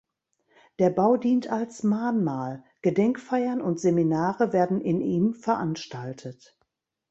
Der Bau dient als Mahnmal, Gedenkfeiern und Seminare werden in ihm veranstaltet.